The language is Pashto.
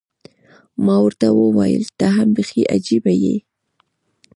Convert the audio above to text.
ما ورته وویل، ته هم بیخي عجيبه یې.